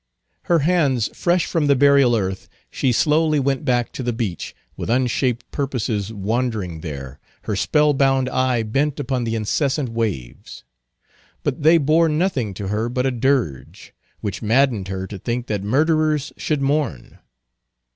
Her hands fresh from the burial earth, she slowly went back to the beach, with unshaped purposes wandering there, her spell bound eye bent upon the incessant waves. But they bore nothing to her but a dirge, which maddened her to think that murderers should mourn.